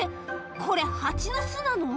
これ蜂の巣なの⁉